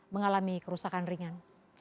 mengalami kerusakan ringan